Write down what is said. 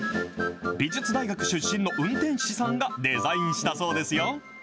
美術大学出身の運転士さんがデザインしたそうですよ。